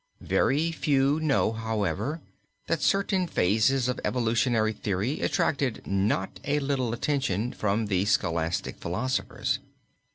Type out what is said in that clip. Very few know, however, that certain phases of evolutionary theory attracted not a little attention from the scholastic philosophers.